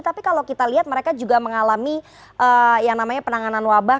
tapi kalau kita lihat mereka juga mengalami yang namanya penanganan wabah